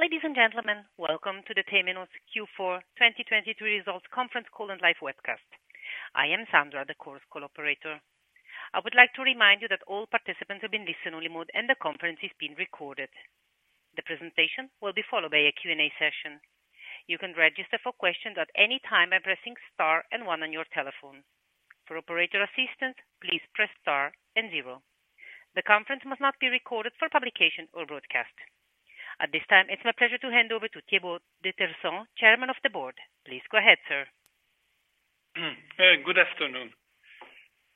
Ladies and gentlemen, welcome to the Temenos Q4 2023 Results Conference Call and Live webcast. I am Sandra, the Chorus operator. I would like to remind you that all participants are in listen-only mode and the conference is being recorded. The presentation will be followed by a Q&A session. You can register for questions at any time by pressing star and one on your telephone. For operator assistance, please press star and 0. The conference must not be recorded for publication or broadcast. At this time, it's my pleasure to hand over to Thibault de Tersant, Chairman of the board. Please go ahead, sir. Good afternoon.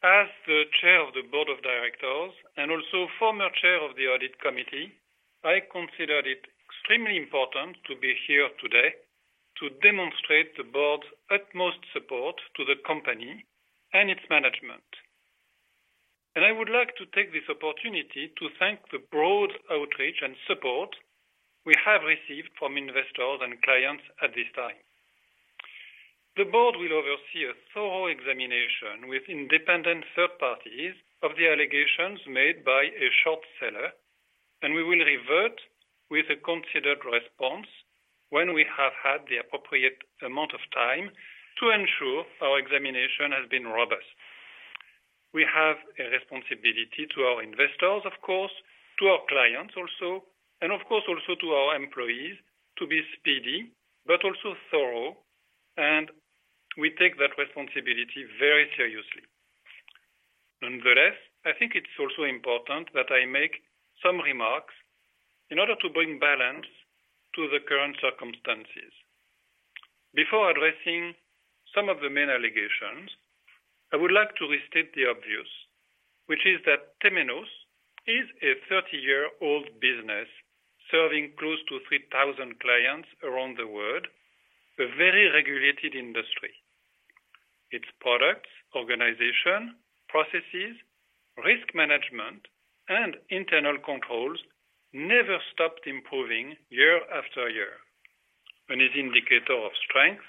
As the chair of the board of directors and also former chair of the audit committee, I considered it extremely important to be here today to demonstrate the board's utmost support to the company and its management. I would like to take this opportunity to thank the broad outreach and support we have received from investors and clients at this time. The board will oversee a thorough examination with independent third parties of the allegations made by a short seller, and we will revert with a considered response when we have had the appropriate amount of time to ensure our examination has been robust. We have a responsibility to our investors, of course, to our clients also, and of course also to our employees to be speedy but also thorough, and we take that responsibility very seriously. Nonetheless, I think it's also important that I make some remarks in order to bring balance to the current circumstances. Before addressing some of the main allegations, I would like to restate the obvious, which is that Temenos is a 30-year-old business serving close to 3,000 clients around the world, a very regulated industry. Its products, organization, processes, risk management, and internal controls never stopped improving year after year. An indicator of strength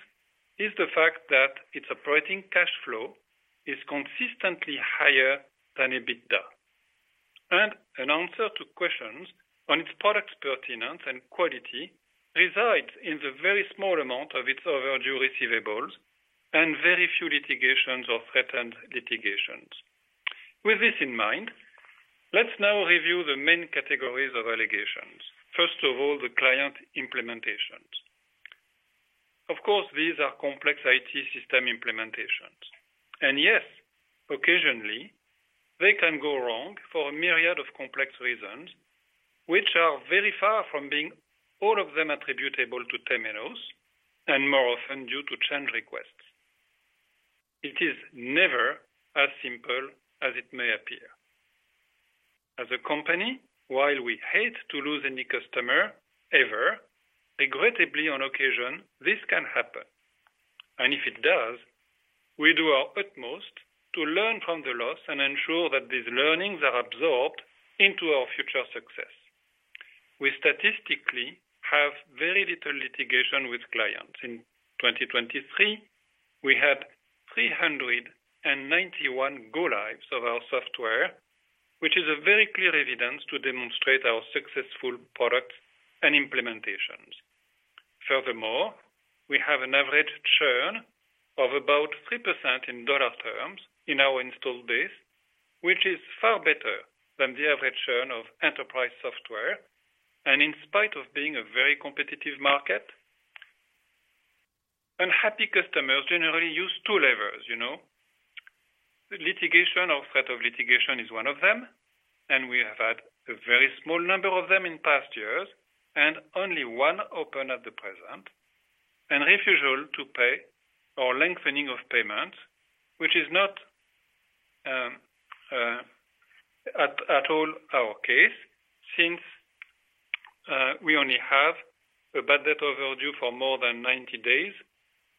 is the fact that its operating cash flow is consistently higher than EBITDA. An answer to questions on its product's pertinence and quality resides in the very small amount of its overdue receivables and very few litigations or threatened litigations. With this in mind, let's now review the main categories of allegations. First of all, the client implementations. Of course, these are complex IT system implementations. And yes, occasionally, they can go wrong for a myriad of complex reasons, which are very far from being all of them attributable to Temenos, and more often due to change requests. It is never as simple as it may appear. As a company, while we hate to lose any customer, ever, regrettably on occasion, this can happen. And if it does, we do our utmost to learn from the loss and ensure that these learnings are absorbed into our future success. We statistically have very little litigation with clients. In 2023, we had 391 go-lives of our software, which is very clear evidence to demonstrate our successful products and implementations. Furthermore, we have an average churn of about 3% in dollar terms in our installed base, which is far better than the average churn of enterprise software. In spite of being a very competitive market, unhappy customers generally use two levers, you know. Litigation or threat of litigation is one of them, and we have had a very small number of them in past years, and only one open at the present. And refusal to pay or lengthening of payments, which is not at all our case since we only have a bad debt overdue for more than 90 days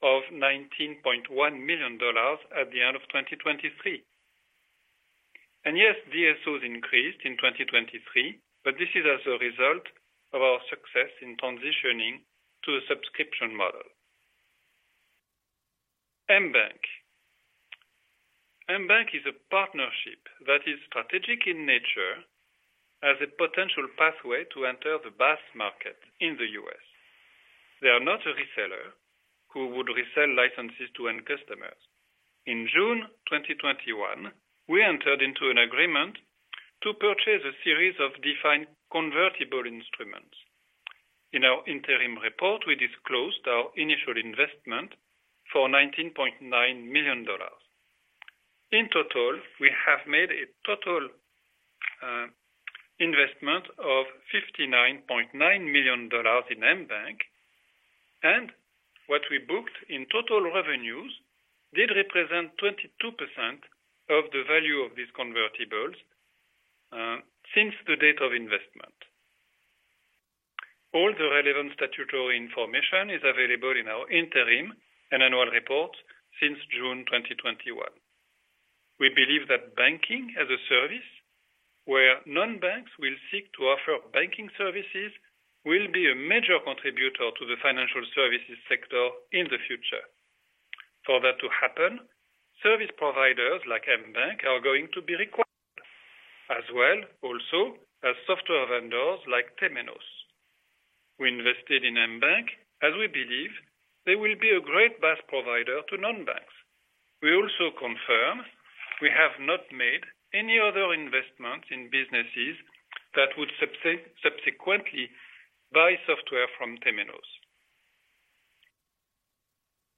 of $19.1 million at the end of 2023. And yes, DSOs increased in 2023, but this is as a result of our success in transitioning to a subscription model. Mbanq. Mbanq is a partnership that is strategic in nature as a potential pathway to enter the BaaS market in the US. They are not a reseller who would resell licenses to end customers. In June 2021, we entered into an agreement to purchase a series of defined convertible instruments. In our interim report, we disclosed our initial investment for $19.9 million. In total, we have made an investment of $59.9 million in Mbanq, and what we booked in total revenues did represent 22% of the value of these convertibles, since the date of investment. All the relevant statutory information is available in our interim and annual reports since June 2021. We believe that Banking as a Service, where non-banks will seek to offer banking services, will be a major contributor to the financial services sector in the future. For that to happen, service providers like Mbanq are going to be required, as well also as software vendors like Temenos. We invested in Mbanq as we believe they will be a great BaaS provider to non-banks. We also confirm we have not made any other investments in businesses that would subsequently buy software from Temenos.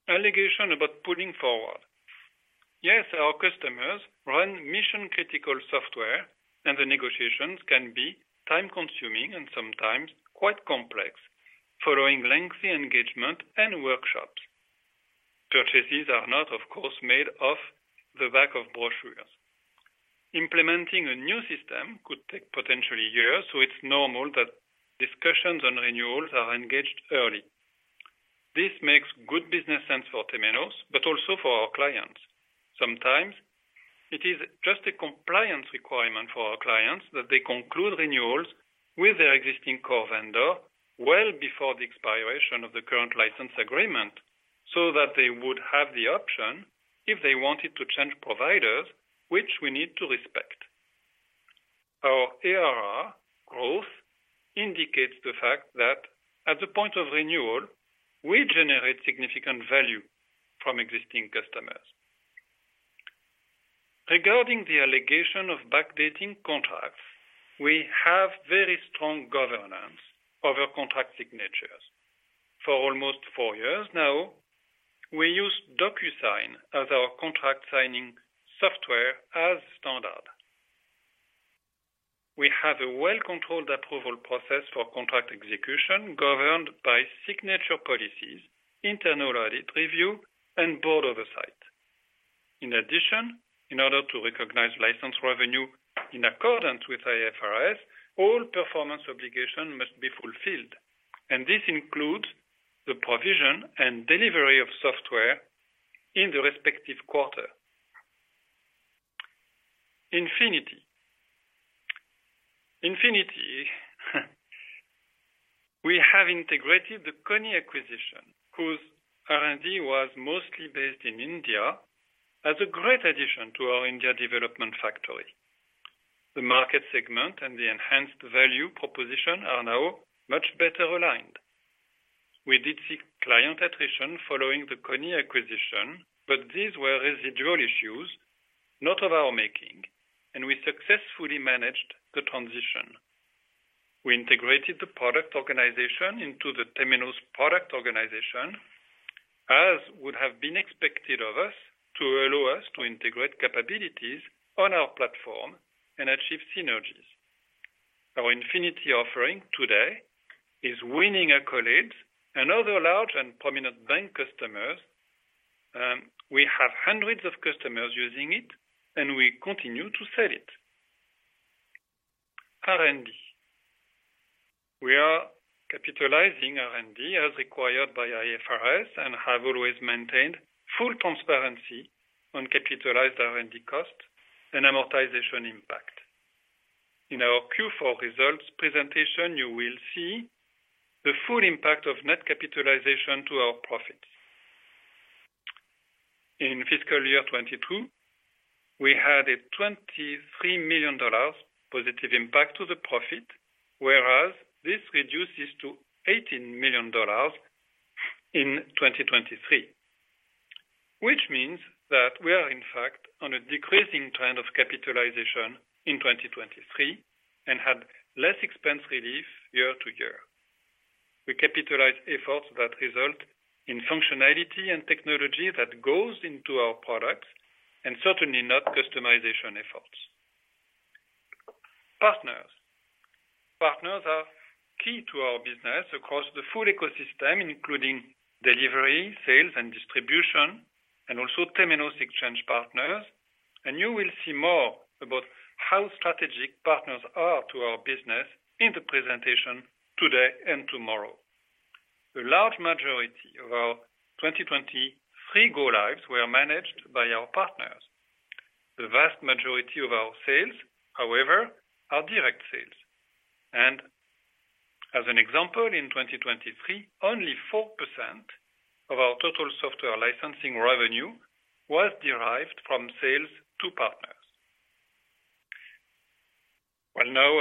Allegation about pulling forward. Yes, our customers run mission-critical software, and the negotiations can be time-consuming and sometimes quite complex, following lengthy engagement and workshops. Purchases are not, of course, made off the back of brochures. Implementing a new system could take potentially years, so it's normal that discussions on renewals are engaged early. This makes good business sense for Temenos, but also for our clients. Sometimes it is just a compliance requirement for our clients that they conclude renewals with their existing core vendor well before the expiration of the current license agreement, so that they would have the option if they wanted to change providers, which we need to respect. Our ARR growth indicates the fact that at the point of renewal, we generate significant value from existing customers. Regarding the allegation of backdating contracts, we have very strong governance over contract signatures. For almost four years now, we use DocuSign as our contract signing software as standard. We have a well-controlled approval process for contract execution governed by signature policies, internal audit review, and board oversight. In addition, in order to recognize license revenue in accordance with IFRS, all performance obligations must be fulfilled, and this includes the provision and delivery of software in the respective quarter. Infinity. Infinity. We have integrated the Kony acquisition, whose R&D was mostly based in India, as a great addition to our India development factory. The market segment and the enhanced value proposition are now much better aligned. We did see client attrition following the Kony acquisition, but these were residual issues, not of our making, and we successfully managed the transition. We integrated the product organization into the Temenos product organization, as would have been expected of us, to allow us to integrate capabilities on our platform and achieve synergies. Our Infinity offering today is winning accolades and other large and prominent bank customers. We have hundreds of customers using it, and we continue to sell it. R&D. We are capitalizing R&D as required by IFRS and have always maintained full transparency on capitalized R&D cost and amortization impact. In our Q4 results presentation, you will see the full impact of net capitalization to our profits. In fiscal year 2022, we had a $23 million positive impact to the profit, whereas this reduces to $18 million in 2023, which means that we are, in fact, on a decreasing trend of capitalization in 2023 and had less expense relief year to year. We capitalize efforts that result in functionality and technology that goes into our products, and certainly not customization efforts. Partners. Partners are key to our business across the full ecosystem, including delivery, sales, and distribution, and also Temenos Exchange partners. And you will see more about how strategic partners are to our business in the presentation today and tomorrow. The large majority of our 2023 go-lives were managed by our partners. The vast majority of our sales, however, are direct sales. And as an example, in 2023, only 4% of our total software licensing revenue was derived from sales to partners. Well, now,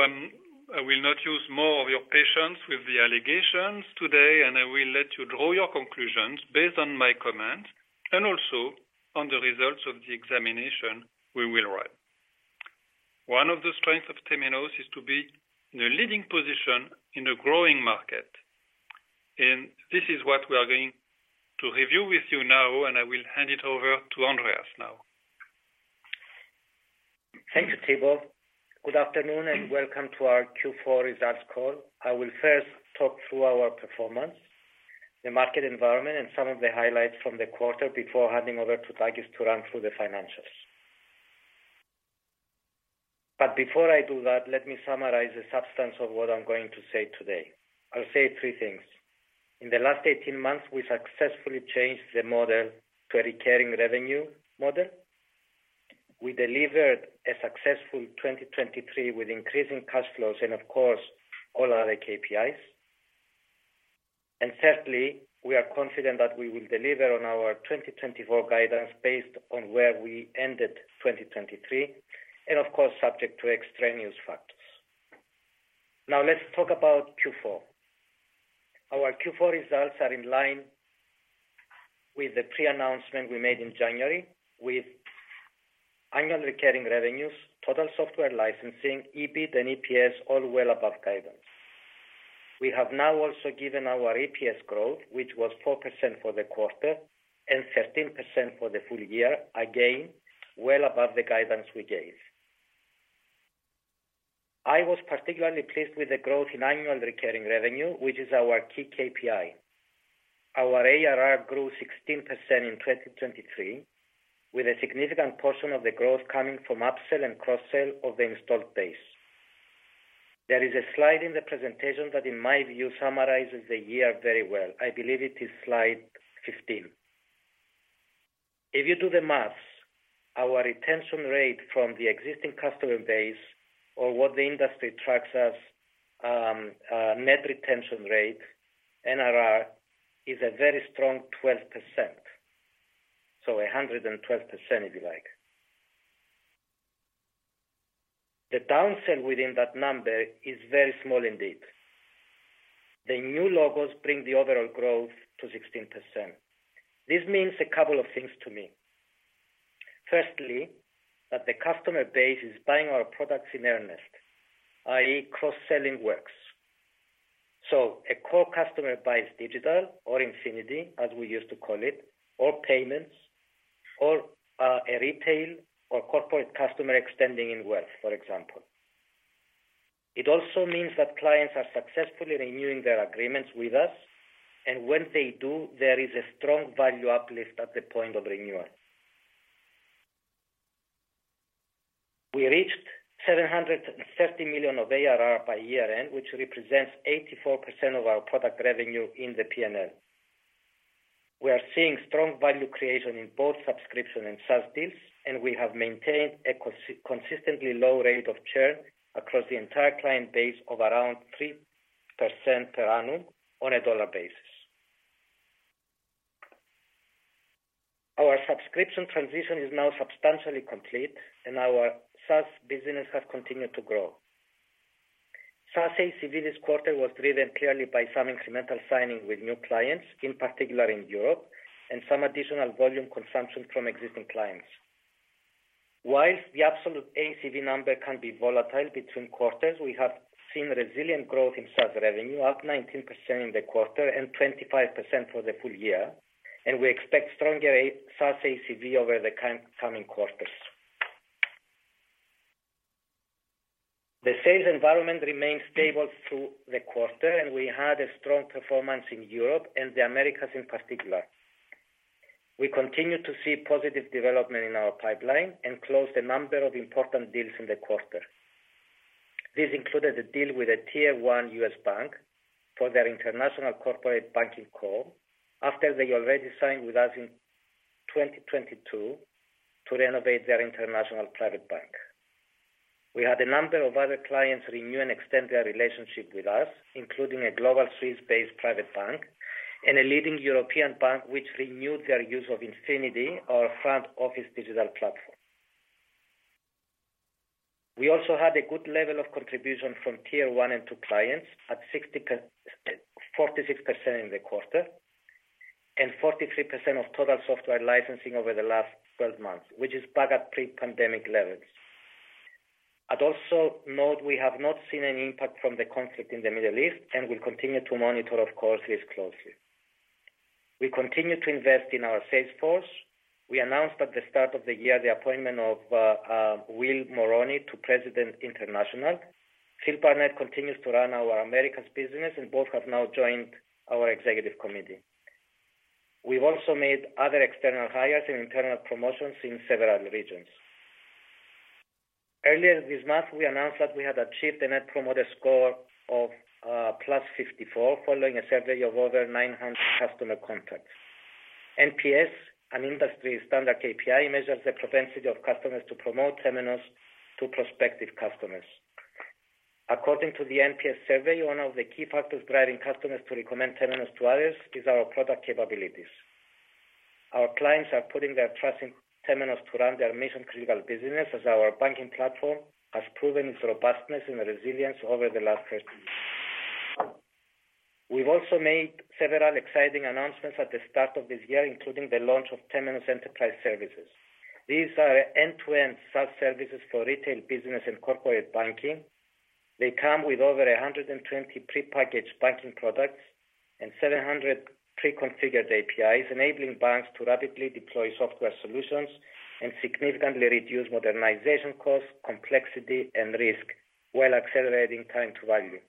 I will not use more of your patience with the allegations today, and I will let you draw your conclusions based on my comments and also on the results of the examination we will run. One of the strengths of Temenos is to be in a leading position in a growing market. This is what we are going to review with you now, and I will hand it over to Andreas now. Thank you, Thibault. Good afternoon and welcome to our Q4 results call. I will first talk through our performance, the market environment, and some of the highlights from the quarter before handing over to Takis to run through the financials. But before I do that, let me summarize the substance of what I'm going to say today. I'll say three things. In the last 18 months, we successfully changed the model to a recurring revenue model. We delivered a successful 2023 with increasing cash flows and, of course, all other KPIs. And thirdly, we are confident that we will deliver on our 2024 guidance based on where we ended 2023, and of course, subject to extraneous factors. Now, let's talk about Q4. Our Q4 results are in line with the pre-announcement we made in January, with annual recurring revenues, total software licensing, EBIT, and EPS all well above guidance. We have now also given our EPS growth, which was 4% for the quarter and 13% for the full year, again well above the guidance we gave. I was particularly pleased with the growth in annual recurring revenue, which is our key KPI. Our ARR grew 16% in 2023, with a significant portion of the growth coming from upsell and cross-sell of the installed base. There is a slide in the presentation that, in my view, summarizes the year very well. I believe it is slide 15. If you do the math, our retention rate from the existing customer base, or what the industry tracks as, net retention rate, NRR, is a very strong 12%. So 112%, if you like. The downsell within that number is very small indeed. The new logos bring the overall growth to 16%. This means a couple of things to me. Firstly, that the customer base is buying our products in earnest, i.e., cross-selling works. So a core customer buys digital, or Infinity, as we used to call it, or payments, or, a retail or corporate customer extending in wealth, for example. It also means that clients are successfully renewing their agreements with us, and when they do, there is a strong value uplift at the point of renewal. We reached $730 million of ARR by year-end, which represents 84% of our product revenue in the P&L. We are seeing strong value creation in both subscription and SaaS deals, and we have maintained a consistently low rate of churn across the entire client base of around 3% per annum on a dollar basis. Our subscription transition is now substantially complete, and our SaaS business has continued to grow. SaaS ACV this quarter was driven clearly by some incremental signing with new clients, in particular in Europe, and some additional volume consumption from existing clients. While the absolute ACV number can be volatile between quarters, we have seen resilient growth in SaaS revenue, up 19% in the quarter and 25% for the full year, and we expect stronger SaaS ACV over the coming quarters. The sales environment remained stable through the quarter, and we had a strong performance in Europe and the Americas in particular. We continue to see positive development in our pipeline and closed a number of important deals in the quarter. This included a deal with a tier-one U.S. bank for their international corporate banking call after they already signed with us in 2022 to renovate their international private bank. We had a number of other clients renew and extend their relationship with us, including a global Swiss-based private bank and a leading European bank which renewed their use of Infinity, our front office digital platform. We also had a good level of contribution from tier-one and two clients at 60%, 46% in the quarter and 43% of total software licensing over the last 12 months, which is back at pre-pandemic levels. I'd also note we have not seen any impact from the conflict in the Middle East and will continue to monitor, of course, this closely. We continue to invest in our sales force. We announced at the start of the year the appointment of Will Moroney to President International. Phil Barnett continues to run our Americas business, and both have now joined our executive committee. We've also made other external hires and internal promotions in several regions. Earlier this month, we announced that we had achieved a net promoter score of +54 following a survey of over 900 customer contacts. NPS, an industry standard KPI, measures the propensity of customers to promote Temenos to prospective customers. According to the NPS survey, one of the key factors driving customers to recommend Temenos to others is our product capabilities. Our clients are putting their trust in Temenos to run their mission-critical business, as our banking platform has proven its robustness and resilience over the last 13 years. We've also made several exciting announcements at the start of this year, including the launch of Temenos Enterprise Services. These are end-to-end SaaS services for retail business and corporate banking. They come with over 120 pre-packaged banking products and 700 pre-configured APIs, enabling banks to rapidly deploy software solutions and significantly reduce modernization costs, complexity, and risk while accelerating time to value.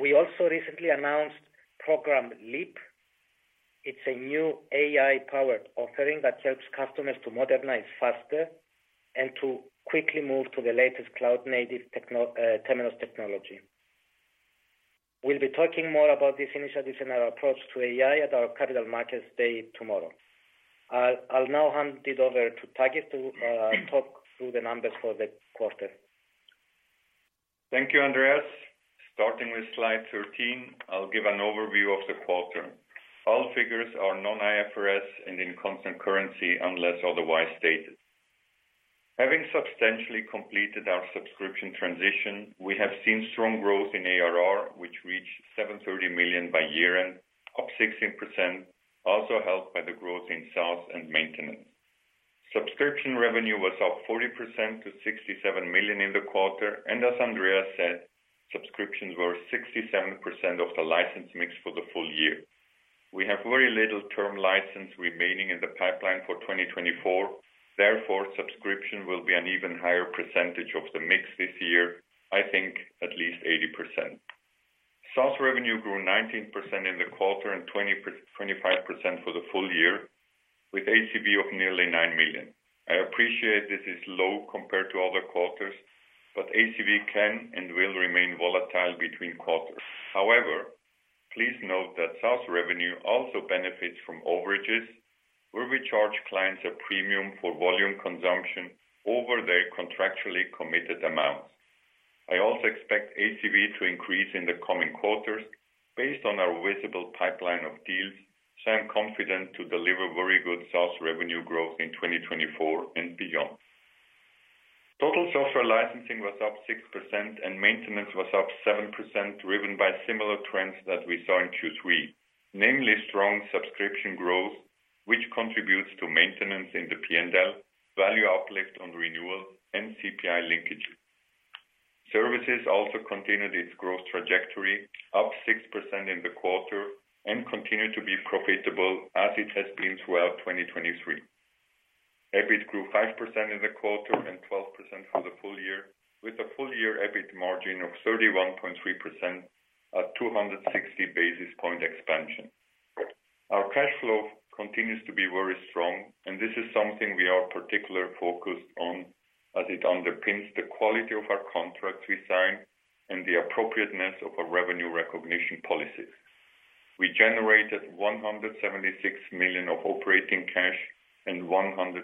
We also recently announced program LEAP. It's a new AI-powered offering that helps customers to modernize faster and to quickly move to the latest cloud-native technology Temenos technology. We'll be talking more about this initiative and our approach to AI at our Capital Markets Day tomorrow. I'll now hand it over to Takis to talk through the numbers for the quarter. Thank you, Andreas. Starting with slide 13, I'll give an overview of the quarter. All figures are non-IFRS and in constant currency unless otherwise stated. Having substantially completed our subscription transition, we have seen strong growth in ARR, which reached $730 million by year-end, up 16%, also helped by the growth in SaaS and maintenance. Subscription revenue was up 40% to $67 million in the quarter, and as Andreas said, subscriptions were 67% of the license mix for the full year. We have very little term license remaining in the pipeline for 2024. Therefore, subscription will be an even higher percentage of the mix this year, I think at least 80%. SaaS revenue grew 19% in the quarter and 20%-25% for the full year, with ACV of nearly $9 million. I appreciate this is low compared to other quarters, but ACV can and will remain volatile between quarters. However, please note that SaaS revenue also benefits from overages, where we charge clients a premium for volume consumption over their contractually committed amounts. I also expect ACV to increase in the coming quarters. Based on our visible pipeline of deals, so I'm confident to deliver very good SaaS revenue growth in 2024 and beyond. Total software licensing was up 6%, and maintenance was up 7%, driven by similar trends that we saw in Q3, namely strong subscription growth, which contributes to maintenance in the P&L, value uplift on renewal, and CPI linkage. Services also continued its growth trajectory, up 6% in the quarter, and continued to be profitable as it has been throughout 2023. EBIT grew 5% in the quarter and 12% for the full year, with a full-year EBIT margin of 31.3%, a 260 basis point expansion. Our cash flow continues to be very strong, and this is something we are particularly focused on as it underpins the quality of our contracts we sign and the appropriateness of our revenue recognition policies. We generated $176 million of operating cash and $114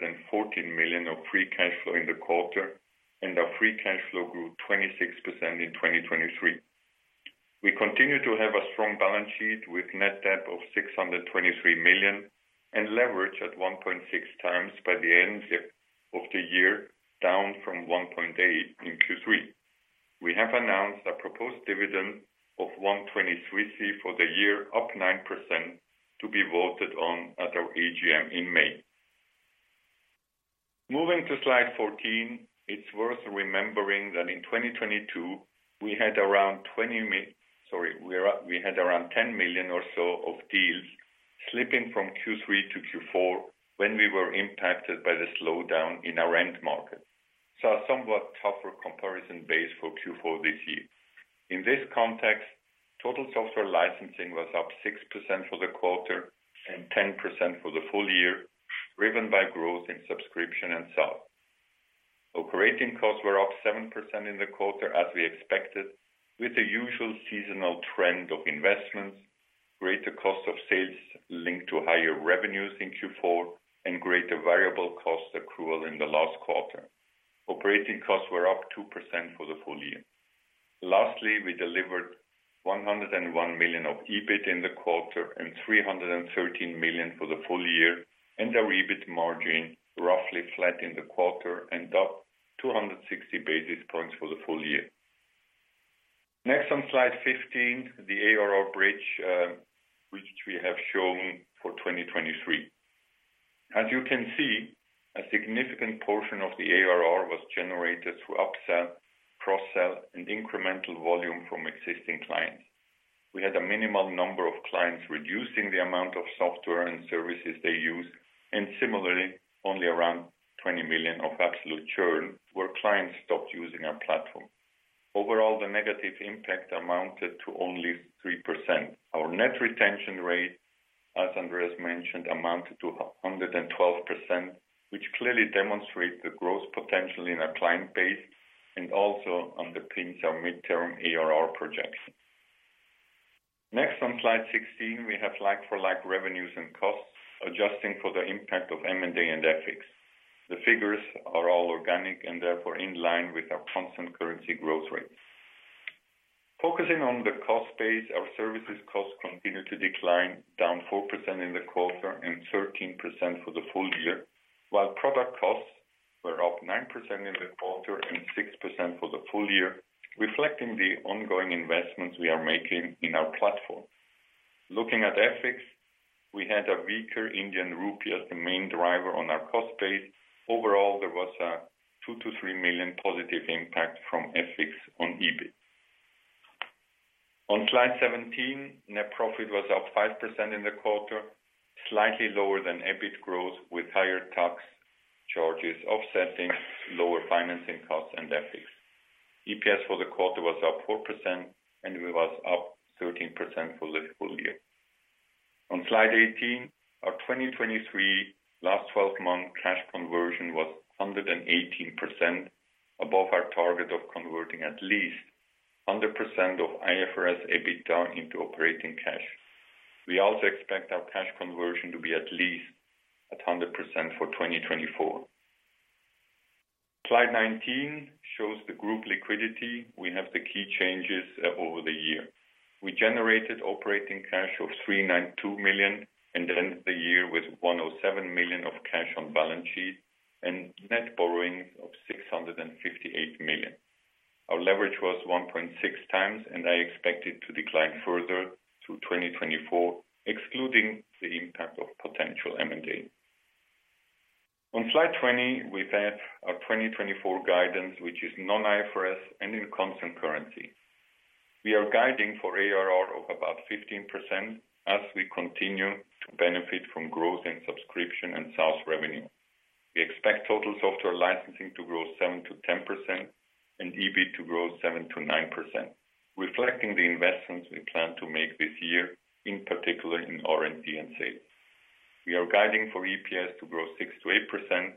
million of free cash flow in the quarter, and our free cash flow grew 26% in 2023. We continue to have a strong balance sheet with net debt of $623 million and leverage at 1.6x by the end of the year, down from 1.8x in Q3. We have announced a proposed dividend of 120 for the year, up 9%, to be voted on at our AGM in May. Moving to slide 14, it's worth remembering that in 2022, we had around $10 million or so of deals slipping from Q3 to Q4 when we were impacted by the slowdown in our end market. So a somewhat tougher comparison base for Q4 this year. In this context, total software licensing was up 6% for the quarter and 10% for the full year, driven by growth in subscription and SaaS. Operating costs were up 7% in the quarter as we expected, with the usual seasonal trend of investments, greater cost of sales linked to higher revenues in Q4, and greater variable cost accrual in the last quarter. Operating costs were up 2% for the full year. Lastly, we delivered $101 million of EBIT in the quarter and $313 million for the full year, and our EBIT margin roughly flat in the quarter and up 260 basis points for the full year. Next on slide 15, the ARR bridge, which we have shown for 2023. As you can see, a significant portion of the ARR was generated through upsell, cross-sell, and incremental volume from existing clients. We had a minimal number of clients reducing the amount of software and services they use, and similarly, only around $20 million of absolute churn where clients stopped using our platform. Overall, the negative impact amounted to only 3%. Our net retention rate, as Andreas mentioned, amounted to 112%, which clearly demonstrates the growth potential in our client base and also underpins our midterm ARR projection. Next on slide 16, we have like-for-like revenues and costs, adjusting for the impact of M&A and FX. The figures are all organic and therefore in line with our constant currency growth rate. Focusing on the cost base, our services costs continue to decline, down 4% in the quarter and 13% for the full year, while product costs were up 9% in the quarter and 6% for the full year, reflecting the ongoing investments we are making in our platform. Looking at FX, we had a weaker Indian rupee as the main driver on our cost base. Overall, there was a $2 million-$3 million positive impact from FX on EBIT. On slide 17, net profit was up 5% in the quarter, slightly lower than EBIT growth, with higher tax charges offsetting lower financing costs and FX. EPS for the quarter was up 4%, and it was up 13% for the full year. On slide 18, our 2023 last 12-month cash conversion was 118%, above our target of converting at least 100% of IFRS EBIT down into operating cash. We also expect our cash conversion to be at least at 100% for 2024. Slide 19 shows the group liquidity. We have the key changes over the year. We generated operating cash of $392 million at the end of the year with $107 million of cash on balance sheet and net borrowings of $658 million. Our leverage was 1.6 times, and I expect it to decline further through 2024, excluding the impact of potential M&A. On slide 20, we have our 2024 guidance, which is non-IFRS and in constant currency. We are guiding for ARR of about 15% as we continue to benefit from growth in subscription and SaaS revenue. We expect total software licensing to grow 7%-10% and EBIT to grow 7%-9%, reflecting the investments we plan to make this year, in particular in R&D and sales. We are guiding for EPS to grow 6%-8%,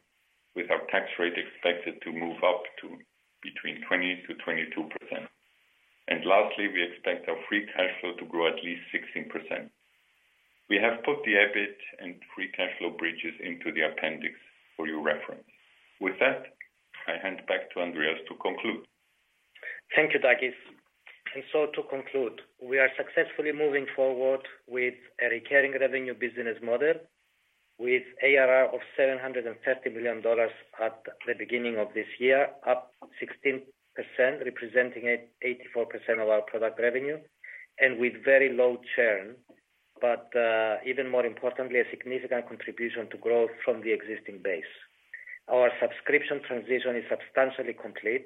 with our tax rate expected to move up to between 20%-22%. And lastly, we expect our free cash flow to grow at least 16%. We have put the EBIT and free cash flow bridges into the appendix for your reference. With that, I hand back to Andreas to conclude. Thank you, Takis. To conclude, we are successfully moving forward with a recurring revenue business model, with ARR of $730 million at the beginning of this year, up 16%, representing 84% of our product revenue, and with very low churn, but, even more importantly, a significant contribution to growth from the existing base. Our subscription transition is substantially complete,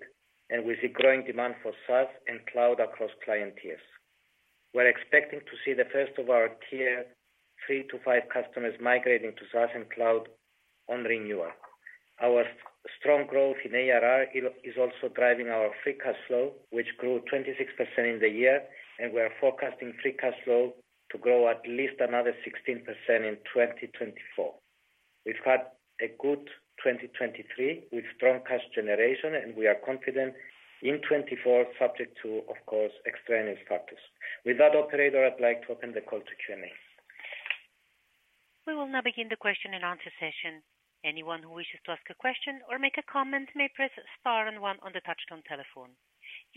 and we see growing demand for SaaS and cloud across client tiers. We're expecting to see the first of our tier 3 to five customers migrating to SaaS and cloud on renewal. Our strong growth in ARR is also driving our free cash flow, which grew 26% in the year, and we are forecasting free cash flow to grow at least another 16% in 2024. We've had a good 2023 with strong cash generation, and we are confident in 2024, subject to, of course, external factors. With that, operator, I'd like to open the call to Q&A. We will now begin the question-and-answer session. Anyone who wishes to ask a question or make a comment may press star and one on the touchscreen telephone.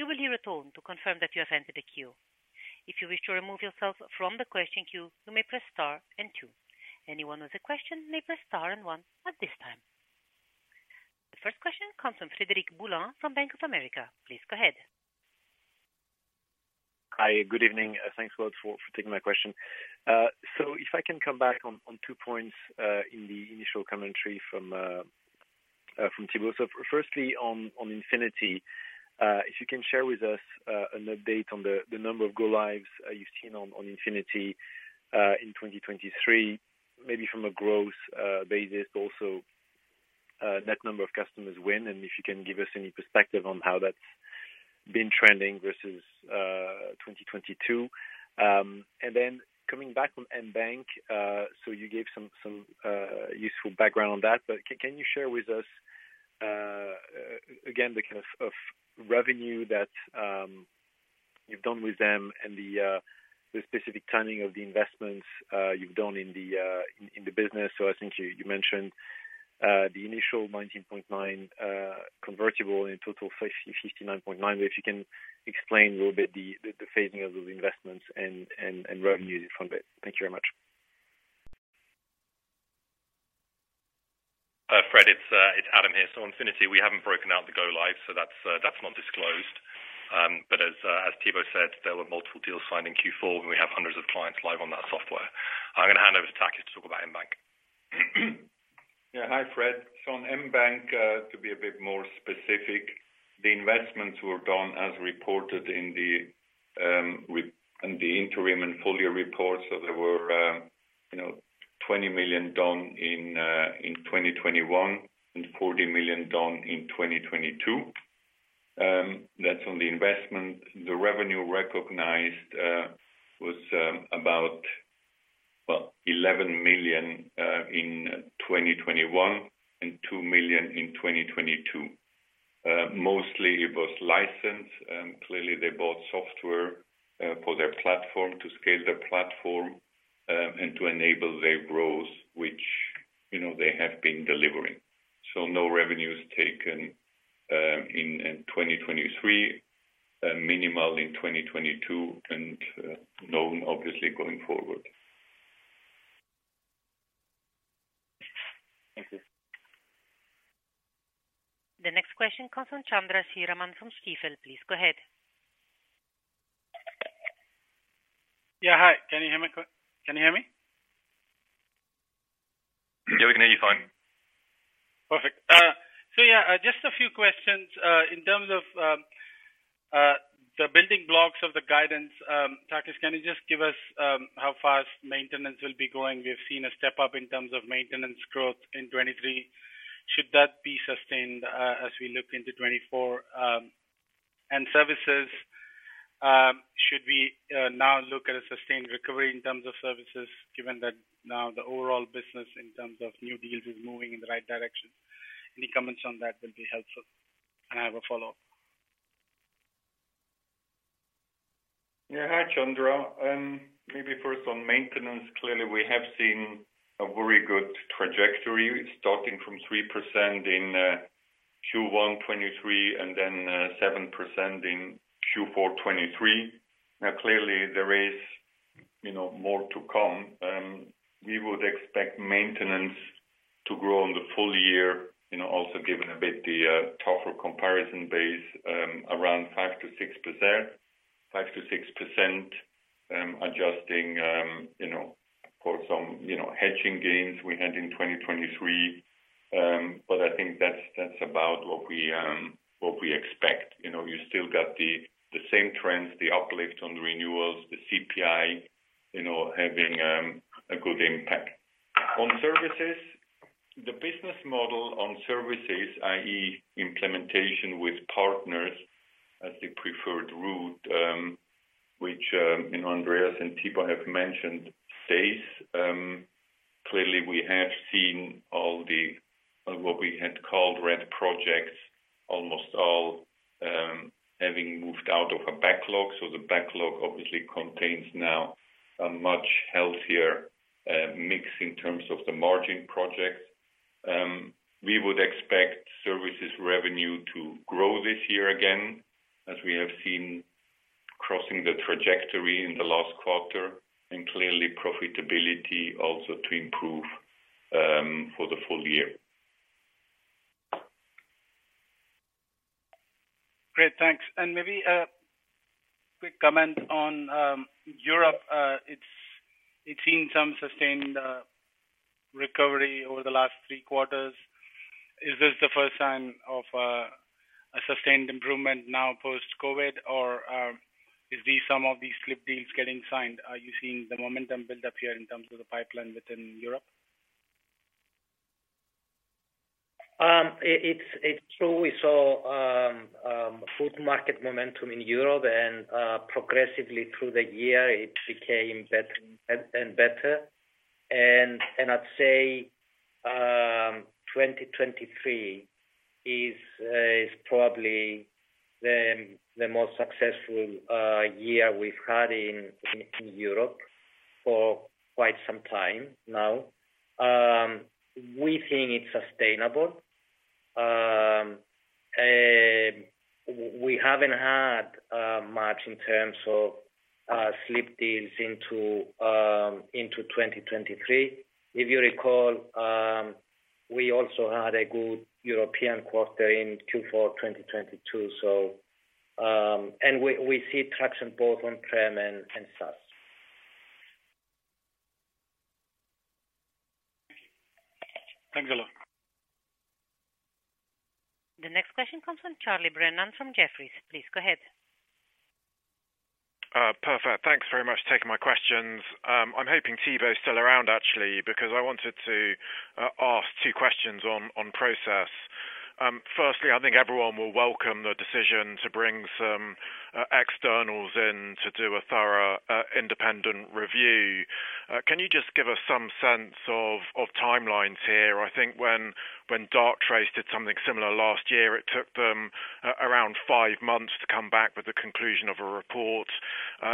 You will hear a tone to confirm that you have entered the queue. If you wish to remove yourself from the question queue, you may press star and two. Anyone with a question may press star and one at this time. The first question comes from Frédéric Boulan from Bank of America. Please go ahead. Hi. Good evening. Thanks, Wout, for, for taking my question. So if I can come back on, on two points, in the initial commentary from, from Thibault. So firstly, on, on Infinity, if you can share with us, an update on the, the number of go-lives, you've seen on, on Infinity, in 2023, maybe from a growth, basis, but also, net number of customers win, and if you can give us any perspective on how that's been trending versus, 2022. And then coming back from Mbanq, so you gave some, some, useful background on that, but can, can you share with us, again, the kind of, of revenue that, you've done with them and the, the specific timing of the investments, you've done in the, in, in the business? So I think you mentioned the initial $19.9 convertible and a total $59.9, but if you can explain a little bit the phasing of those investments and revenues from it? Thank you very much. Fred, it's Adam here. So on Infinity, we haven't broken out the go-lives, so that's not disclosed. But as Thibault said, there were multiple deals signed in Q4, and we have hundreds of clients live on that software. I'm gonna hand over to Takis to talk about Mbanq. Yeah. Hi, Fred. So on Mbanq, to be a bit more specific, the investments were done, as reported, in the in the interim and full-year report. So there were, you know, $20 million done in 2021 and $40 million done in 2022. That's on the investment. The revenue recognized was about, well, $11 million in 2021 and $2 million in 2022. Mostly it was licensed. Clearly they bought software for their platform to scale their platform and to enable their growth, which, you know, they have been delivering. So no revenues taken in 2023, minimal in 2022, and none, obviously, going forward. Thank you. The next question comes from Chandra Sriraman from Stifel. Please go ahead. Yeah. Hi. Can you hear me? Can you hear me? Yeah. We can hear you fine. Perfect. So yeah, just a few questions, in terms of the building blocks of the guidance. Takis, can you just give us how fast maintenance will be going? We have seen a step-up in terms of maintenance growth in 2023. Should that be sustained, as we look into 2024? And services, should we now look at a sustained recovery in terms of services, given that now the overall business in terms of new deals is moving in the right direction? Any comments on that will be helpful, and I have a follow-up. Yeah. Hi, Chandra. Maybe first on maintenance. Clearly, we have seen a very good trajectory, starting from 3% in Q1 2023 and then 7% in Q4 2023. Now, clearly, there is, you know, more to come. We would expect maintenance to grow on the full year, you know, also given a bit the tougher comparison base, around 5%-6% 5%-6%, adjusting, you know, for some, you know, hedging gains we had in 2023. But I think that's, that's about what we, what we expect. You know, you still got the same trends, the uplift on renewals, the CPI, you know, having a good impact. On services, the business model on services, i.e., implementation with partners as the preferred route, which, you know, Andreas and Thibault have mentioned, stays. Clearly, we have seen all the what we had called red projects, almost all, having moved out of a backlog. So the backlog, obviously, contains now a much healthier mix in terms of the margin projects. We would expect services revenue to grow this year again, as we have seen crossing the trajectory in the last quarter, and clearly, profitability also to improve, for the full year. Great. Thanks. And maybe a quick comment on Europe. It's seen some sustained recovery over the last three quarters. Is this the first sign of a sustained improvement now post-COVID, or is these some of these slip deals getting signed? Are you seeing the momentum build-up here in terms of the pipeline within Europe? It's true. We saw good market momentum in Europe, and progressively through the year, it became better and better. And I'd say 2023 is probably the most successful year we've had in Europe for quite some time now. We think it's sustainable. We haven't had much in terms of slip deals into 2023. If you recall, we also had a good European quarter in Q4 2022, so and we see traction both on-prem and SaaS. Thank you. Thanks, Ola. The next question comes from Charlie Brennan from Jefferies. Please go ahead. Perfect. Thanks very much for taking my questions. I'm hoping Thibault's still around, actually, because I wanted to ask two questions on process. Firstly, I think everyone will welcome the decision to bring some externals in to do a thorough, independent review. Can you just give us some sense of timelines here? I think when Darktrace did something similar last year, it took them around five months to come back with the conclusion of a report.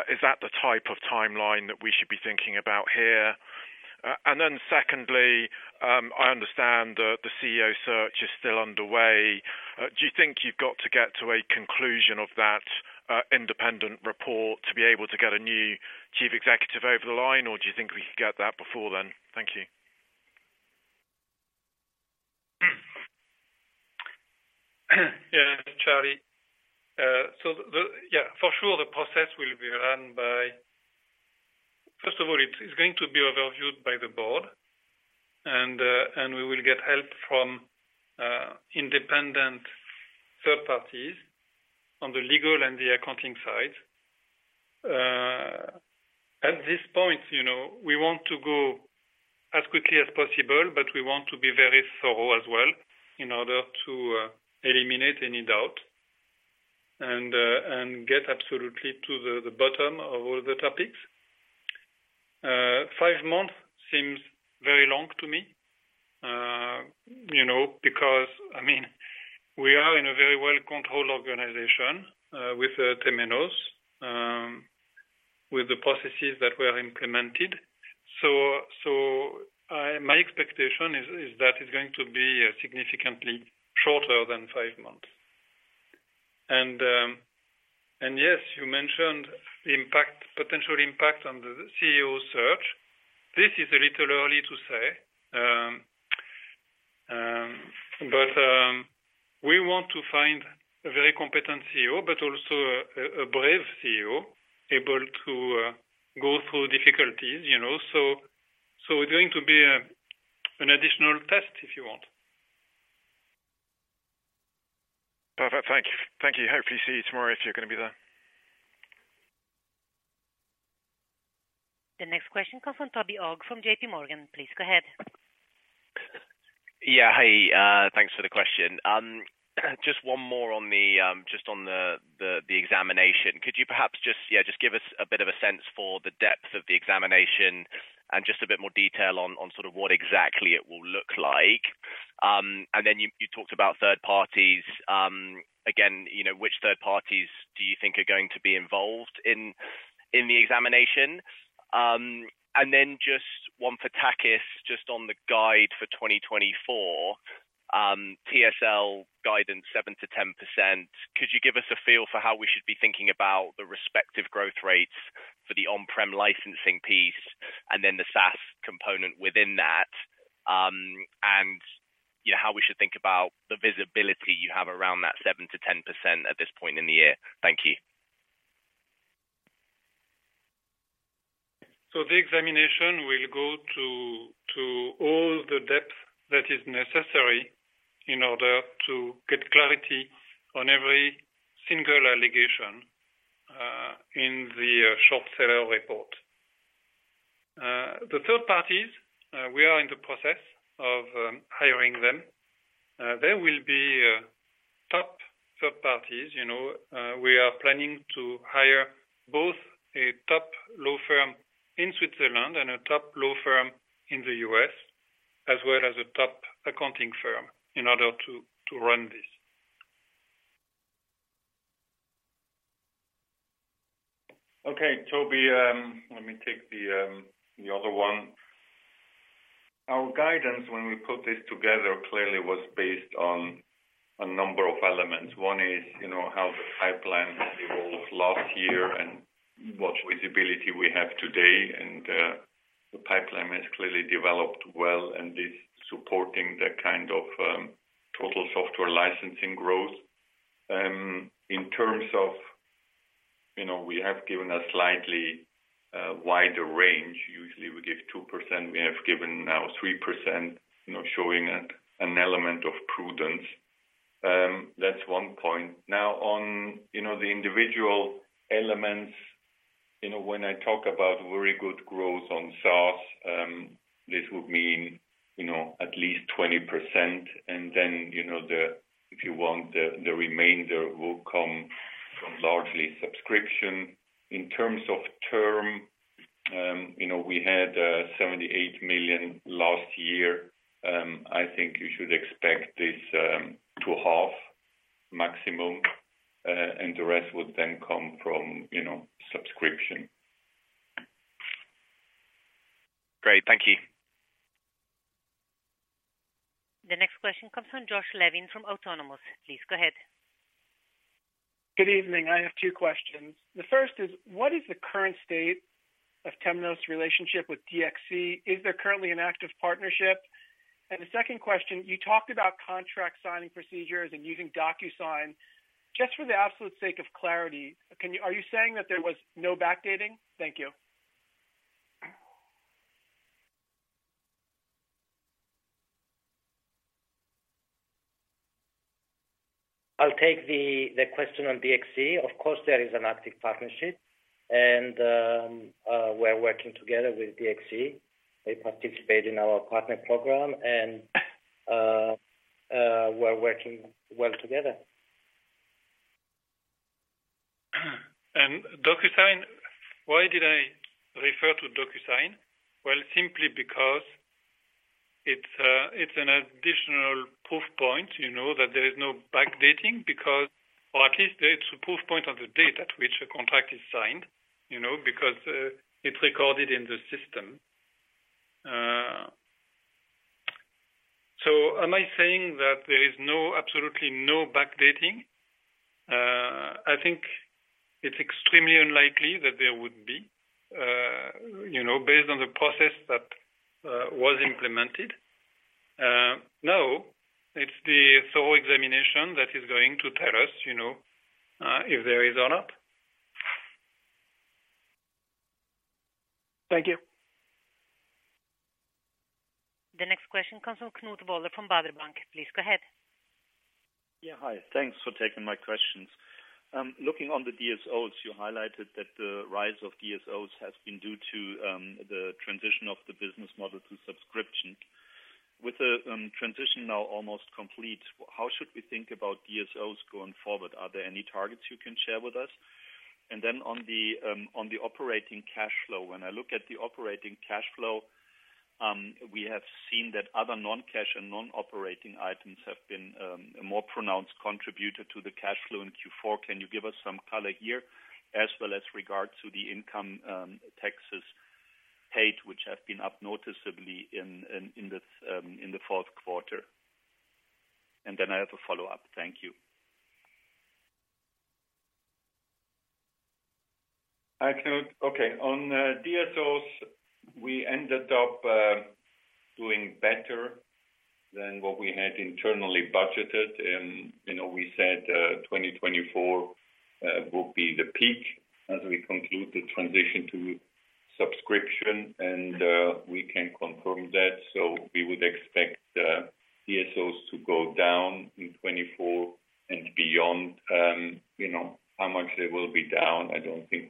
Is that the type of timeline that we should be thinking about here? And then secondly, I understand that the CEO search is still underway. Do you think you've got to get to a conclusion of that independent report to be able to get a new chief executive over the line, or do you think we could get that before then? Thank you. Yeah, Charlie. So, yeah. For sure, the process will be run by first of all, it's going to be overviewed by the board, and we will get help from independent third parties on the legal and the accounting side. At this point, you know, we want to go as quickly as possible, but we want to be very thorough as well in order to eliminate any doubt and get absolutely to the bottom of all the topics. Five months seems very long to me, you know, because, I mean, we are in a very well-controlled organization, with Temenos, with the processes that were implemented. So, my expectation is that it's going to be significantly shorter than five months. And yes, you mentioned the impact, potential impact on the CEO search. This is a little early to say, but we want to find a very competent CEO but also a brave CEO able to go through difficulties, you know. So it's going to be an additional test, if you want. Perfect. Thank you. Thank you. Hopefully, see you tomorrow if you're gonna be there. The next question comes from Toby Ogg from J.P. Morgan. Please go ahead. Yeah. Hi. Thanks for the question. Just one more on the examination. Could you perhaps give us a bit of a sense for the depth of the examination and just a bit more detail on sort of what exactly it will look like? And then you talked about third parties. Again, you know, which third parties do you think are going to be involved in the examination? And then just one for Takis, just on the guide for 2024, TSL guidance 7%-10%. Could you give us a feel for how we should be thinking about the respective growth rates for the on-prem licensing piece and then the SaaS component within that, and, you know, how we should think about the visibility you have around that 7%-10% at this point in the year? Thank you. So the examination will go to all the depth that is necessary in order to get clarity on every single allegation in the short seller report. The third parties, we are in the process of hiring them. There will be top third parties, you know. We are planning to hire both a top law firm in Switzerland and a top law firm in the US, as well as a top accounting firm in order to run this. Okay. Toby, let me take the other one. Our guidance, when we put this together, clearly was based on a number of elements. One is, you know, how the pipeline evolved last year and what visibility we have today. And the pipeline is clearly developed well, and it's supporting that kind of total software licensing growth. In terms of, you know, we have given a slightly wider range. Usually, we give 2%. We have given now 3%, you know, showing an, an element of prudence. That's one point. Now, on, you know, the individual elements, you know, when I talk about very good growth on SaaS, this would mean, you know, at least 20%. And then, you know, the if you want, the, the remainder will come from largely subscription. In terms of term, you know, we had $78 million last year. I think you should expect this, to half maximum, and the rest would then come from, you know, subscription. Great. Thank you. The next question comes from Josh Levin from Autonomous. Please go ahead. Good evening. I have two questions. The first is, what is the current state of Temenos' relationship with DXC? Is there currently an active partnership? And the second question, you talked about contract signing procedures and using DocuSign. Just for the absolute sake of clarity, can you, are you saying that there was no backdating? Thank you. I'll take the question on DXC. Of course, there is an active partnership, and we're working together with DXC. They participate in our partner program, and we're working well together. DocuSign, why did I refer to DocuSign? Well, simply because it's, it's an additional proof point, you know, that there is no backdating because or at least, it's a proof point of the date at which a contract is signed, you know, because, it's recorded in the system. So am I saying that there is no absolutely no backdating? I think it's extremely unlikely that there would be, you know, based on the process that was implemented. Now, it's the thorough examination that is going to tell us, you know, if there is or not. Thank you. The next question comes from Knut Woller from Baader Bank. Please go ahead. Yeah. Hi. Thanks for taking my questions. Looking on the DSOs, you highlighted that the rise of DSOs has been due to the transition of the business model to subscription. With the transition now almost complete, how should we think about DSOs going forward? Are there any targets you can share with us? And then on the operating cash flow, when I look at the operating cash flow, we have seen that other non-cash and non-operating items have been a more pronounced contributor to the cash flow in Q4. Can you give us some color here as regards to the income taxes paid, which have been up noticeably in the fourth quarter? And then I have a follow-up. Thank you. Hi, Knut. Okay. On DSOs, we ended up doing better than what we had internally budgeted. You know, we said 2024 would be the peak as we conclude the transition to subscription, and we can confirm that. So we would expect DSOs to go down in 2024 and beyond. You know, how much they will be down, I don't think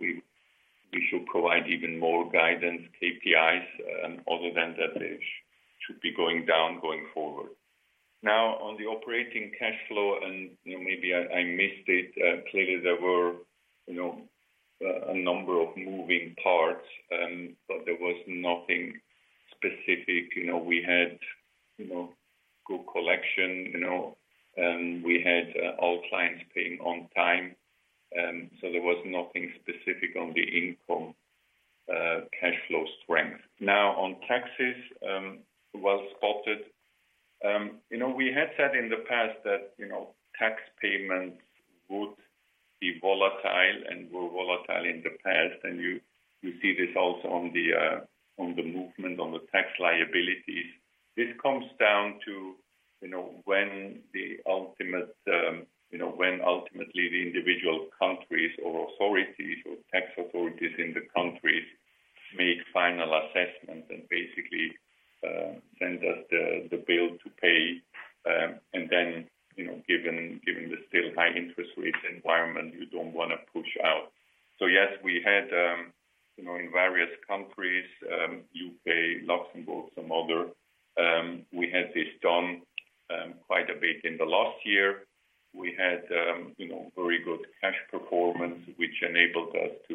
we should provide even more guidance KPIs, other than that they should be going down going forward. Now, on the operating cash flow and, you know, maybe I missed it. Clearly, there were, you know, a number of moving parts, but there was nothing specific. You know, we had, you know, good collection, you know, and we had all clients paying on time. So there was nothing specific on the income, cash flow strength. Now, on taxes, well spotted. You know, we had said in the past that, you know, tax payments would be volatile and were volatile in the past, and you see this also on the movement on the tax liabilities. This comes down to, you know, when ultimately the individual countries or authorities or tax authorities in the countries make final assessment and basically send us the bill to pay. And then, you know, given the still high interest rate environment, you don't wanna push out. So yes, we had, you know, in various countries, U.K., Luxembourg, some other, we had this done quite a bit in the last year. We had, you know, very good cash performance, which enabled us to,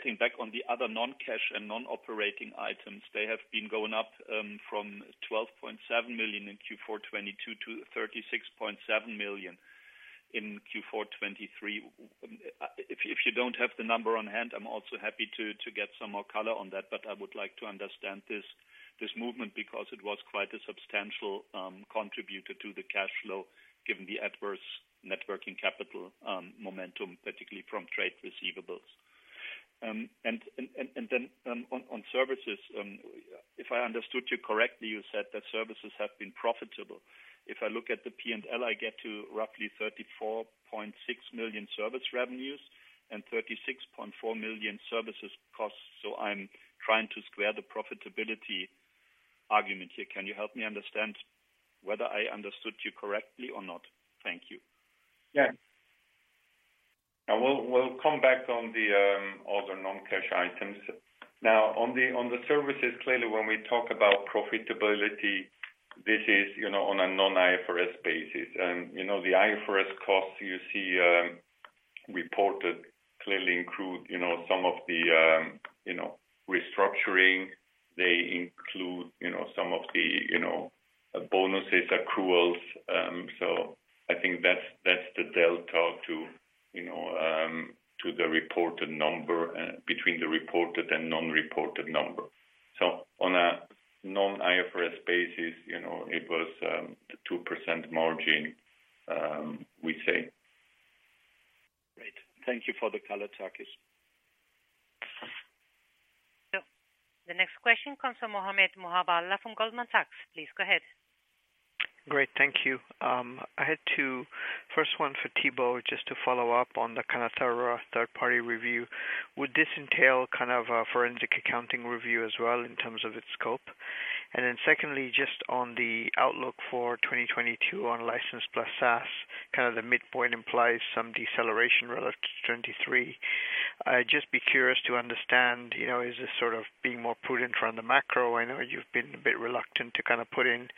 you know, to pay taxes as they come due and to get the tax liabilities down. From today's point of view, clearly, tax outflows in this year will be quite a bit lower. So if you want, despite the potential tax payments, we still delivered a good free cash flow performance. Thank you, Takis. Just getting back on the other non-cash and non-operating items, they have been going up, from $12.7 million in Q4 2022 to $36.7 million in Q4 2023. If you don't have the number on hand, I'm also happy to get some more color on that, but I would like to understand this movement because it was quite a substantial contributor to the cash flow given the adverse working capital momentum, particularly from trade receivables. And then, on services, if I understood you correctly, you said that services have been profitable. If I look at the P&L, I get to roughly $34.6 million service revenues and $36.4 million services costs. So I'm trying to square the profitability argument here. Can you help me understand whether I understood you correctly or not? Thank you. Yeah. Now, we'll come back on the other non-cash items. Now, on the services, clearly, when we talk about profitability, this is, you know, on a non-IFRS basis. You know, the IFRS costs you see reported clearly include, you know, some of the, you know, restructuring. They include, you know, some of the, you know, bonuses, accruals. So I think that's the delta to, you know, to the reported number, between the reported and non-reported number. So on a non-IFRS basis, you know, it was the 2% margin, we say. Great. Thank you for the color, Takis. The next question comes from Mohammed Moawalla from Goldman Sachs. Please go ahead. Great. Thank you. I had two. First one for Thibault just to follow up on the Hindenburg third-party review. Would this entail kind of a forensic accounting review as well in terms of its scope? And then secondly, just on the outlook for 2022 on license plus SaaS, kind of the midpoint implies some deceleration relative to 2023. I'd just be curious to understand, you know, is this sort of being more prudent around the macro? I know you've been a bit reluctant to kind of put in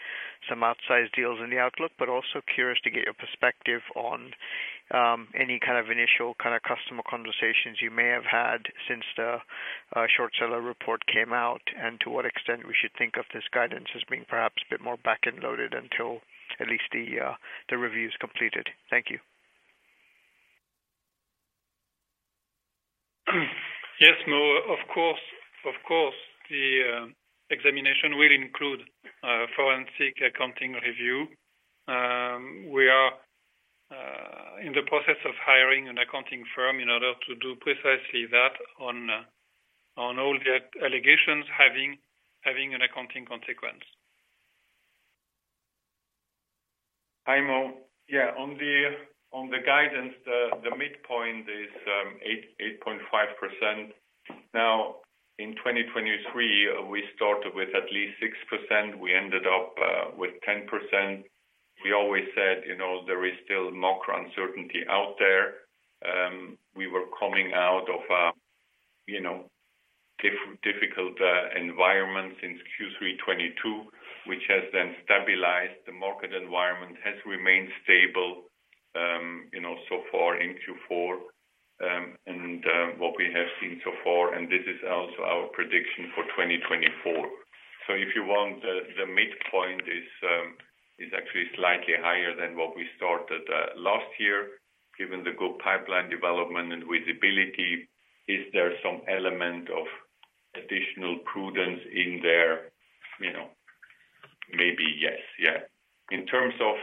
some outsized deals in the outlook, but also curious to get your perspective on any kind of initial kind of customer conversations you may have had since the short seller report came out and to what extent we should think of this guidance as being perhaps a bit more back-end loaded until at least the review's completed. Thank you. Yes, Moe. Of course, of course, the examination will include forensic accounting review. We are in the process of hiring an accounting firm in order to do precisely that on all the allegations having an accounting consequence. Hi, Moe. Yeah, on the guidance, the midpoint is 8%-8.5%. Now, in 2023, we started with at least 6%. We ended up with 10%. We always said, you know, there is still macro uncertainty out there. We were coming out of a, you know, difficult environment since Q3 2022, which has then stabilized. The market environment has remained stable, you know, so far in Q4, and what we have seen so far. And this is also our prediction for 2024. So if you want, the midpoint is actually slightly higher than what we started last year given the good pipeline development and visibility. Is there some element of additional prudence in there, you know? Maybe yes. Yeah. In terms of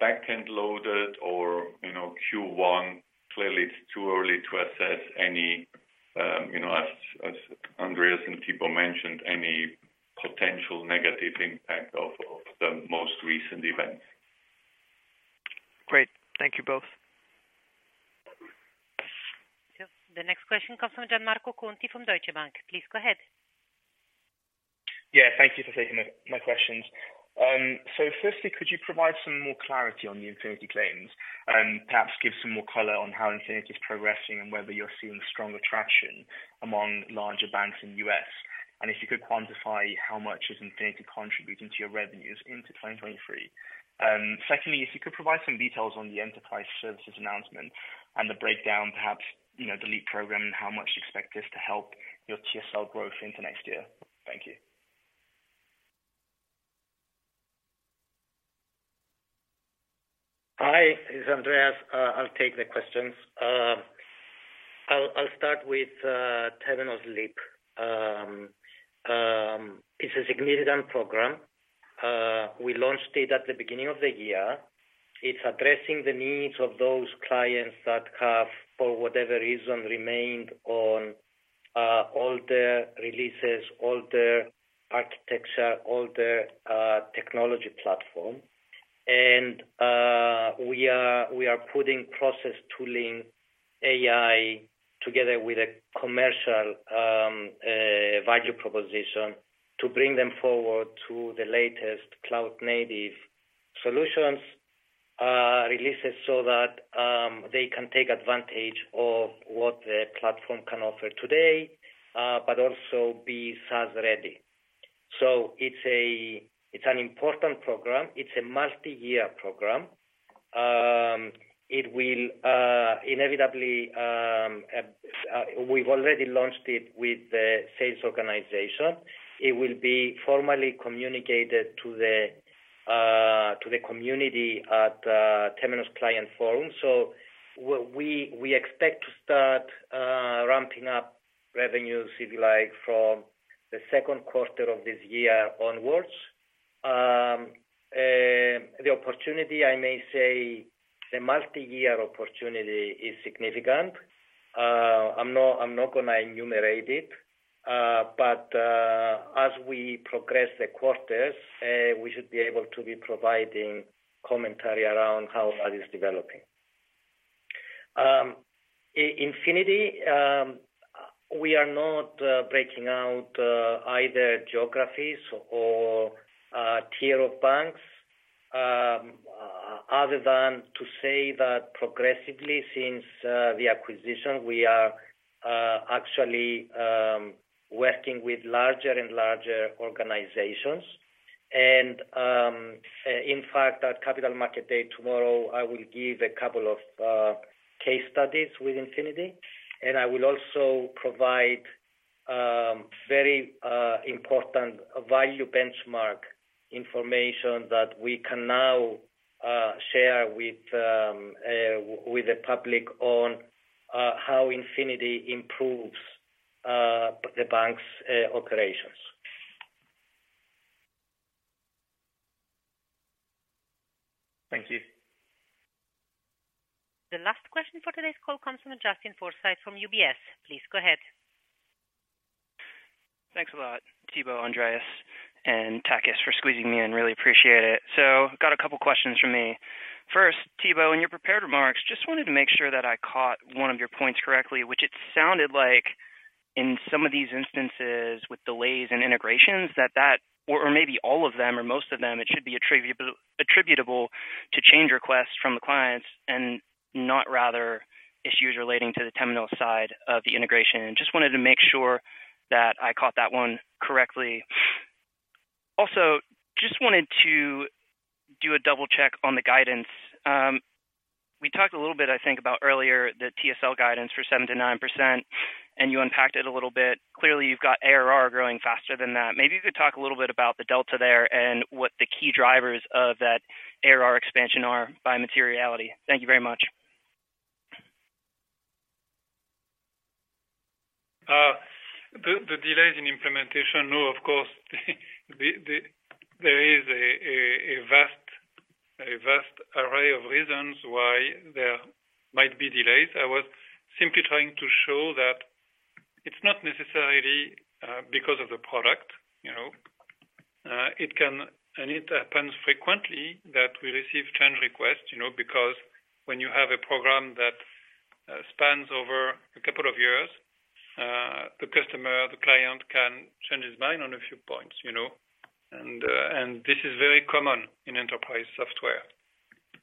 back-end loaded or, you know, Q1, clearly, it's too early to assess any, you know, as Andreas and Thibault mentioned, any potential negative impact of the most recent events. Great. Thank you both. Yep. The next question comes from Gianmarco Conti from Deutsche Bank. Please go ahead. Yeah. Thank you for taking my questions. So, firstly, could you provide some more clarity on the Infinity claims and perhaps give some more color on how Infinity's progressing and whether you're seeing stronger traction among larger banks in the U.S.? And if you could quantify how much is Infinity contributing to your revenues into 2023? Secondly, if you could provide some details on the enterprise services announcement and the breakdown, perhaps, you know, the LEAP program and how much you expect this to help your TSL growth into next year. Thank you. Hi. It's Andreas. I'll take the questions. I'll, I'll start with Temenos Leap. It's a significant program. We launched it at the beginning of the year. It's addressing the needs of those clients that have, for whatever reason, remained on older releases, older architecture, older technology platform. We are we are putting process tooling, AI, together with a commercial value proposition to bring them forward to the latest cloud-native solutions, releases so that they can take advantage of what the platform can offer today, but also be SaaS-ready. So it's a it's an important program. It's a multi-year program. It will, inevitably, we've already launched it with the sales organization. It will be formally communicated to the community at Temenos Client Forum. So we, we, we expect to start ramping up revenues, if you like, from the second quarter of this year onwards. The opportunity, I may say, the multi-year opportunity is significant. I'm not, I'm not gonna enumerate it. But as we progress the quarters, we should be able to provide commentary around how that is developing. Infinity, we are not breaking out either geographies or tier of banks, other than to say that progressively since the acquisition, we are actually working with larger and larger organizations. And in fact, at Capital Market Day tomorrow, I will give a couple of case studies with Infinity. And I will also provide very important value benchmark information that we can now share with the public on how Infinity improves the banks' operations. Thank you. The last question for today's call comes from Justin Forsythe from UBS. Please go ahead. Thanks a lot, Tibo, Andreas, and Takis for squeezing me in. Really appreciate it. So got a couple questions from me. First, Tibo, in your prepared remarks, just wanted to make sure that I caught one of your points correctly, which it sounded like in some of these instances with delays and integrations that or, or maybe all of them or most of them, it should be attributable to change requests from the clients and not rather issues relating to the Temenos side of the integration. Just wanted to make sure that I caught that one correctly. Also, just wanted to do a double-check on the guidance. We talked a little bit, I think, about earlier the TSL guidance for 7%-9%, and you unpacked it a little bit. Clearly, you've got ARR growing faster than that. Maybe you could talk a little bit about the delta there and what the key drivers of that ARR expansion are by materiality. Thank you very much. The delays in implementation, no, of course. There is a vast array of reasons why there might be delays. I was simply trying to show that it's not necessarily because of the product, you know. It can and it happens frequently that we receive change requests, you know, because when you have a program that spans over a couple of years, the customer, the client can change his mind on a few points, you know. And this is very common in enterprise software.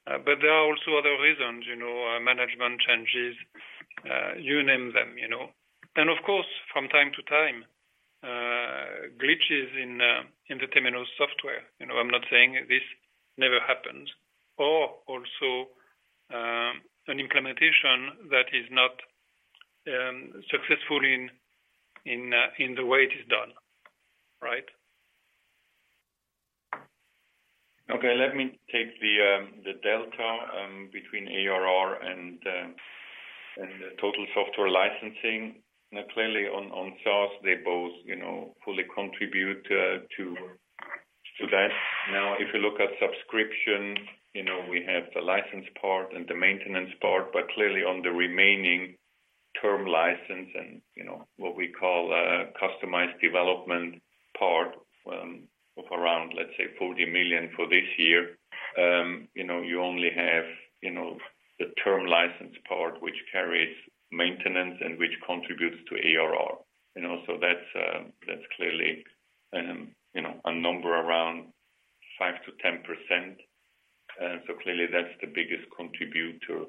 But there are also other reasons, you know, management changes, you name them, you know. And of course, from time to time, glitches in the Temenos software, you know. I'm not saying this never happens. Or also, an implementation that is not successful in the way it is done, right? Okay. Let me take the delta between ARR and the total software licensing. Now, clearly, on SaaS, they both, you know, fully contribute to that. Now, if you look at subscription, you know, we have the license part and the maintenance part. But clearly, on the remaining term license and, you know, what we call customized development part of around, let's say, $40 million for this year, you know, you only have, you know, the term license part which carries maintenance and which contributes to ARR, you know. So that's, that's clearly, you know, a number around 5%-10%. So clearly, that's the biggest contributor.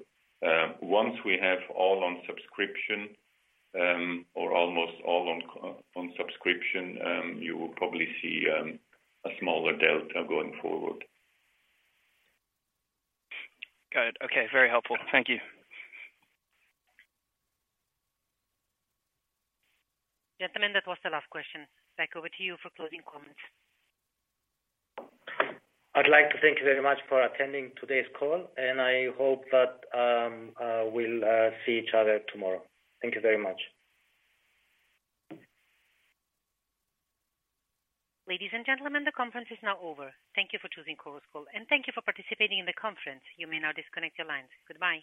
Once we have all on subscription, or almost all on subscription, you will probably see a smaller delta going forward. Got it. Okay. Very helpful. Thank you. Gentlemen, that was the last question. Back over to you for closing comments. I'd like to thank you very much for attending today's call. And I hope that we'll see each other tomorrow. Thank you very much. Ladies and gentlemen, the conference is now over. Thank you for choosing Chorus Call. And thank you for participating in the conference. You may now disconnect your lines. Goodbye.